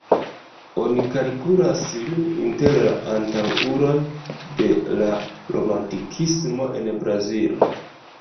Oni kalkulas lin inter la antaŭuloj de la Romantikismo en Brazilo.